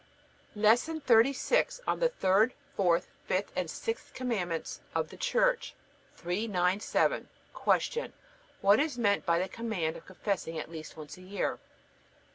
LESSON THIRTY SIXTH ON THE THIRD, FOURTH, FIFTH AND SIXTH COMMANDMENTS OF THE CHURCH 397. Q. What is meant by the command of confessing at least once a year?